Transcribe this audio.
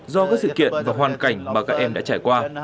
do các sự kiện và hoàn cảnh mà các em đã trải qua